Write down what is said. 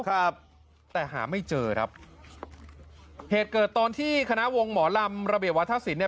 ครับแต่หาไม่เจอครับเหตุเกิดตอนที่คณะวงหมอลำระเบียบวัฒนศิลปเนี่ย